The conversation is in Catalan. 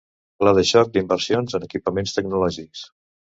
Pla de xoc d'inversions en equipaments tecnològics.